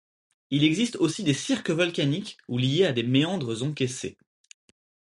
Il existe aussi des cirques volcaniques ou liés à des méandres encaissés.